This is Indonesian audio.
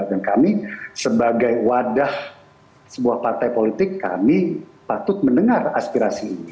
dan kami sebagai wadah sebuah partai politik kami patut mendengar aspirasi ini